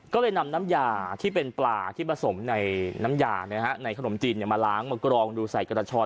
ก็เลยนำน้ำยาที่เป็นปลาที่ผสมในน้ำยาในขนมจีนมาล้างมากรองดูใส่กระชอน